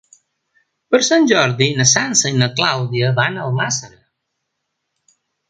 Per Sant Jordi na Sança i na Clàudia van a Almàssera.